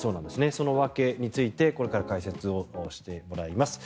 その訳についてこれから解説をしてもらいます。